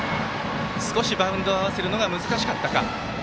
少しバウンドを合わせるのが難しかったか。